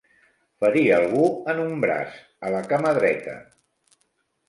Ferir algú en un braç, a la cama dreta.